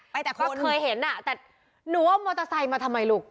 แต่ก็เคยเห็นอ่ะแต่หนูว่ามอเตอร์ไซค์มาทำไมลูก